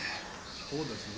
そうですね。